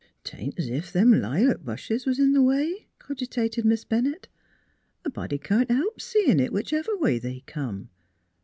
" 'Tain't 's if them laylock bushes was in th' way," cogitated Miss Bennett. " A body can't help seem' it, whichever way they come.